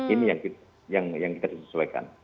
ini yang kita disesuaikan